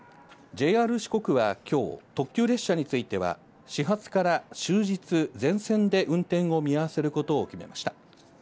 ＪＲ四国は、きょう、特急列車については、始発から終日全線で運転を見合わせることを決めました。